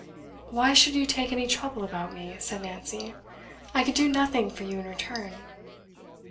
'Why should you take any trouble about me?' said Nancy. 'I can do nothing for you in return.